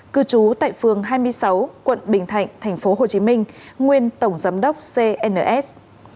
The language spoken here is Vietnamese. cư trú tại phường hai mươi sáu quận bình thạnh tp hcm nguyên tổng giám đốc cns